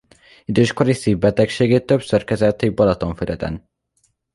Időskori szívbetegségét többször kezelték Balatonfüreden.